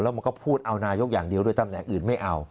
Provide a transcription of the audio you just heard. มันก็พูดเอานายกอย่างเดียวด้วยตำแหน่งอื่นไม่เอา